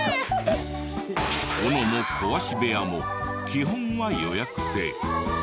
オノも壊し部屋も基本は予約制。